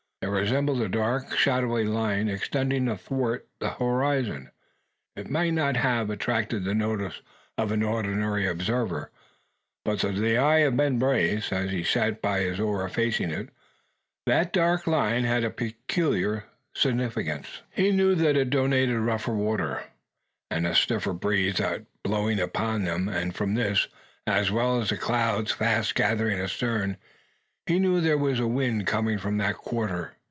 It resembled a dark, shadowy line, extending athwart the horizon. It might not have attracted the notice of an ordinary observer, but to the eye of Ben Brace, as he sat by his oar facing it, that dark line had a peculiar signification. He knew that it denoted rougher water, and a stiffer breeze than that blowing upon them; and from this, as well as the clouds fast gathering astern, he knew there was a wind coming from that quarter.